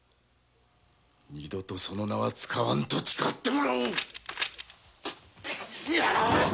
二度とその名は使わんと誓ってもらおう！